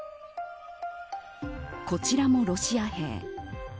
こちらもロシア兵。